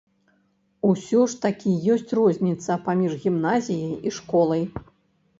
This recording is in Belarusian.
Усё ж такі ёсць розніца паміж гімназіяй і школай.